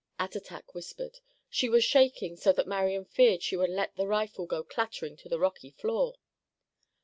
Attatak whispered. She was shaking so that Marian feared she would let the rifle go clattering to the rocky floor.